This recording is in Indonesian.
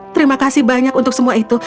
terima kasih banyak untuk semua itu